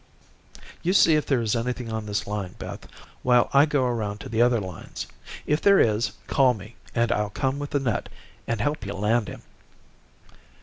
"You see if there is anything on this line, Beth, while I go around to the other lines. If there is, call me, and I'll come with the net, and help you land him."